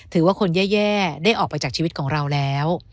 ถือว่าคนแย่ได้ออกไปจากชีวิตของเราแล้ว